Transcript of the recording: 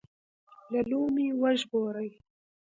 له لومې وژغوري.